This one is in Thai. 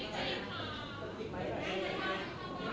สวัสดีครับคุณผู้ชม